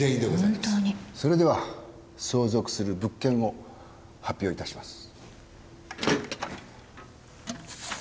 それでは相続する物件を発表いたします。